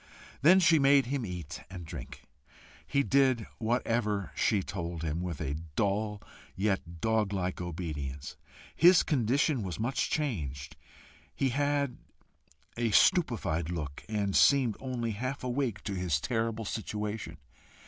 Then she made him eat and drink. He did whatever she told him, with a dull, yet doglike obedience. His condition was much changed; he had a stupefied look, and seemed only half awake to his terrible situation.